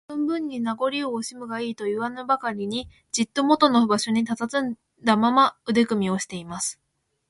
「さあ、ぞんぶんに名ごりをおしむがいい」といわぬばかりに、じっともとの場所にたたずんだまま、腕組みをしています。